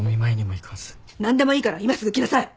なんでもいいから今すぐ来なさい！